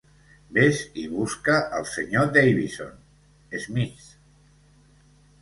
Ves i busca al Sr. Davison, Smith.